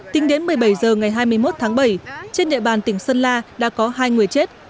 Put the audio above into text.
tính đến một mươi bảy h ngày hai mươi một tháng bảy trên địa bàn tỉnh sơn la đã có hai người chết